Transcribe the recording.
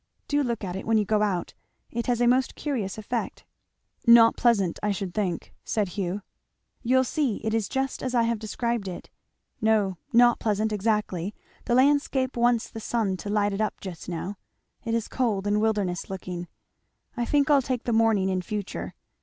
Do look at it when you go out! It has a most curious effect." "Not pleasant, I should think," said Hugh. "You'll see it is just as I have described it. No not pleasant exactly the landscape wants the sun to light it up just now it is cold and wilderness looking. I think I'll take the morning in future.